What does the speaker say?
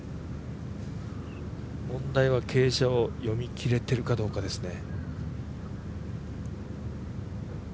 問題は傾斜を読み切れてるかどうかですね。